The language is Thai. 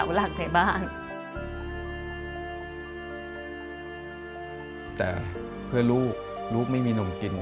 ร่วมจะเคราะห์แค่นี้